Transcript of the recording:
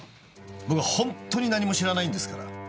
僕はホントに何も知らないんですから。